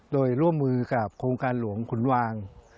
โดยร่วมมือกับโครงการหลวงขุนวาง